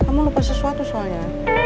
kamu lupa sesuatu soalnya